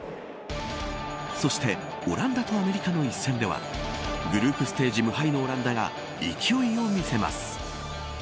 そして、オランダとアメリカの一戦ではグループステージ無敗のオランダが勢いを見せます。